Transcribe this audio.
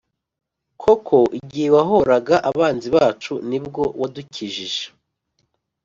Koko, igihe wahoraga abanzi bacu, ni bwo wadukijije,